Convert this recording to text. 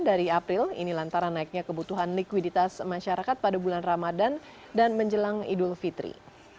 dari april ini lantaran naiknya kebutuhan likuiditas masyarakat pada bulan ramadan dan menjelang idul fitri